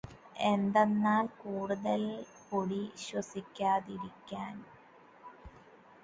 എന്തെന്നാല് കൂടുതല് പൊടി ശ്വസിക്കാതിരിക്കാന്